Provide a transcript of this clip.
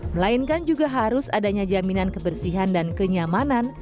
melainkan juga harus adanya jaminan kebersihan dan kenyamanan